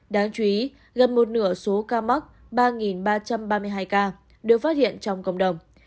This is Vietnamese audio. đáng chú ý gần một nửa số ca mắc ba ba trăm ba mươi hai ca được phát hiện trong cộng đồng